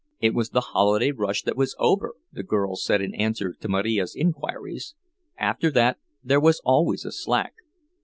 It was the holiday rush that was over, the girls said in answer to Marija's inquiries; after that there was always a slack.